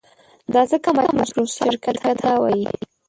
دا ځکه مایکروسافټ شرکت همدا وایي.